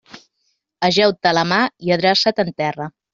Ajeu-te a la mar i adreça't en terra.